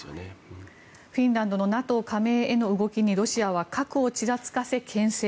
フィンランドのＮＡＴＯ加盟への動きにロシアは核をちらつかせけん制。